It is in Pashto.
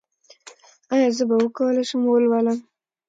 ایا زه به وکولی شم ولولم؟